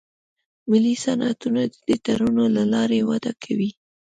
ملي صنعتونه د دې تړونونو له لارې وده کوي